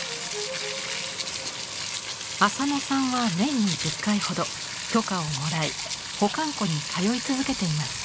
浅野さんは年に１０回ほど許可をもらい保管庫に通い続けています。